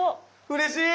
うれしい！